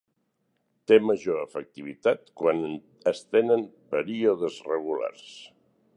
Té major efectivitat quan es tenen períodes regulars.